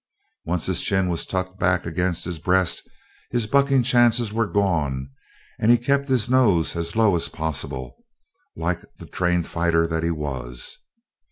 Once his chin was tucked back against his breast his bucking chances were gone and he kept his nose as low as possible, like the trained fighter that he was.